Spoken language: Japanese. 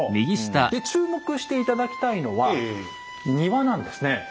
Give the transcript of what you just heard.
で注目して頂きたいのは庭なんですね。